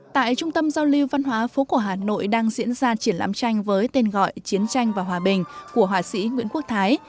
tại trung tâm giao lưu văn hóa phố cổ hà nội đang diễn ra triển lãm tranh với tên gọi chiến tranh và hòa bình của họa sĩ nguyễn quốc thái